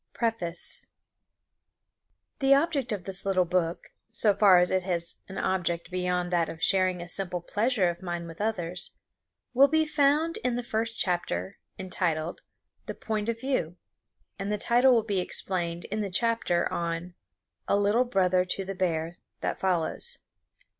_ PREFACE _The object of this little book, so far as it has an object beyond that of sharing a simple pleasure of mine with others, will be found in the first chapter, entitled "The Point of View"; and the title will be explained in the chapter on "A Little Brother to the Bear" that follows.